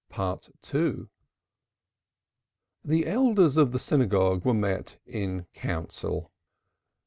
The elders of the synagogue were met in council.